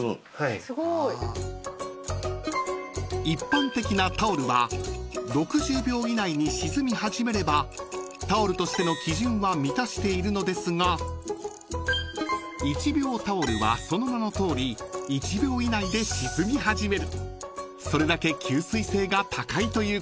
［一般的なタオルは６０秒以内に沈み始めればタオルとしての基準は満たしているのですが１秒タオルはその名のとおり１秒以内で沈み始めるそれだけ］